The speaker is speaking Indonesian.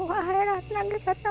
yang terbaik untuk kita